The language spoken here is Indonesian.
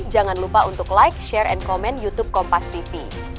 jangan lupa untuk like share dan komen youtube kompastv